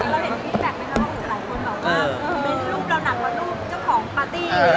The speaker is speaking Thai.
เราเห็นที่แพลกนี้ก็มีหลายคนแบบว่า